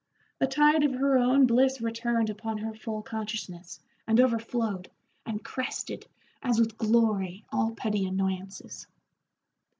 The tide of her own bliss returned upon her full consciousness and overflowed, and crested, as with glory, all petty annoyances.